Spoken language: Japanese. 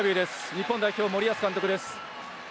日本代表、森保監督です。